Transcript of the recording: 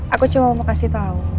aku cuma mau kasih tahu